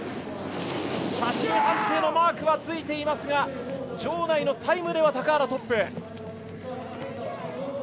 写真判定のマークはついていますが場内のタイムでは高原、トップ。